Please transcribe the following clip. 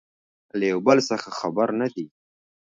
له يو بل څخه خبر نه دي